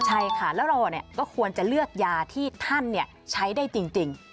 ใช่ค่ะแล้วเราก็ควรจะเลือกยาที่ท่านใช้ได้จริง